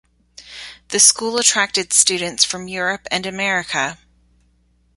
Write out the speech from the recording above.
The school attracted students from Europe and America.